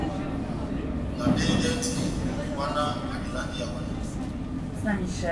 Nabehedɛndi, wɔhɔnáh adelandi ihawana mba.